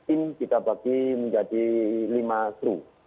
ini menjadi lima seru